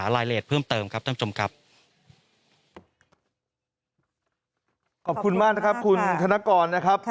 ขอบคุณมากนะครับคุณธนกรนะครับครับ